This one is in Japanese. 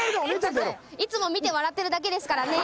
いつも見て笑ってるだけですからね。